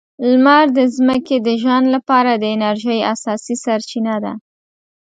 لمر د ځمکې د ژوند لپاره د انرژۍ اساسي سرچینه ده.